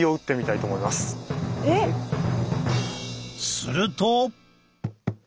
すると。